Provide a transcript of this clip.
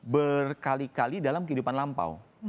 berkali kali dalam kehidupan lampau